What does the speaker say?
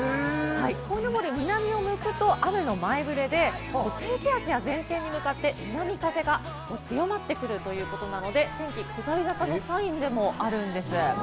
こいのぼり、南を向くと雨の前ぶれで、低気圧や前線に向かって南風が強まってくるということなので、天気下り坂のサインでもあるんです。